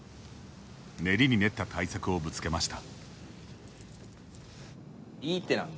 練りに練った対策をぶつけました。